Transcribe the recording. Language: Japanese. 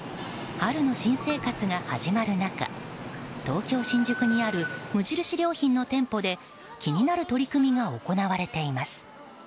春の新生活が始まる中東京・新宿にある無印良品の店舗で気になる取り組みが行われています。